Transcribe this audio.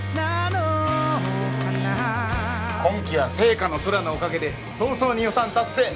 今期は『ＳＥＩＫＡの空』のおかげで早々に予算達成。